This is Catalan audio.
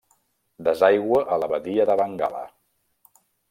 Desaigua a la badia de Bengala.